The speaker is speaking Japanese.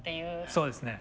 そうですね。